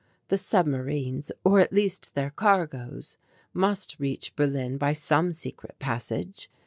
The submarines, or at least their cargoes, must reach Berlin by some secret passage.